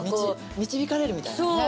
導かれるみたいなね。